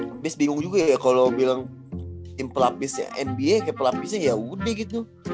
habis bingung juga ya kalau bilang tim pelapisnya nba ke pelapisnya ya udah gitu